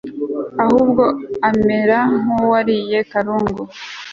ahubwo amera nk'uwariye karungu